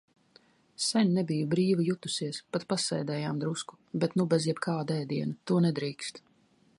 Sen nebiju brīvi jutusies, pat pasēdējām drusku, bet nu bez jebkāda ēdiena, to nedrīkst.